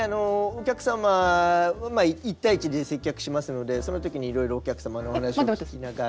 お客様一対一で接客しますのでそのときにいろいろお客様のお話を聞きながら。